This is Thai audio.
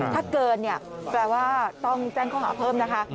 ถ้าเกินเนี่ยแปลว่าต้องแจ้งข้อหาเพิ่มนะคะ